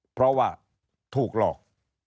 เพราะว่าถูกหลอก